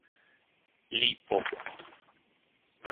Li Po.